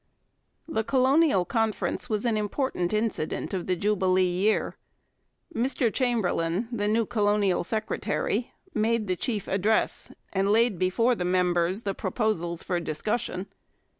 The Colonial Conference was an important incident of the Jubilee year. Mr Chamberlain, the new colonial secretary, made the chief address and laid before the members the proposals for discussion.